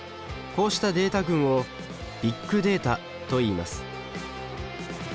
こうしたデータ群をビッグデータといいます。